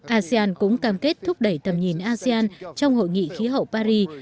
asean cũng cam kết thúc đẩy tầm nhìn asean trong hội nghị khí hậu paris